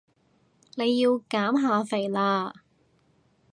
你要減下肥啦